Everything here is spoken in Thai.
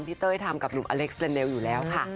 เต้ยทำกับหนุ่มอเล็กซ์เรนเดลอยู่แล้วค่ะ